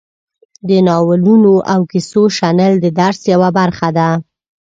د نالونو او کیسو شنل د درس یوه برخه ده.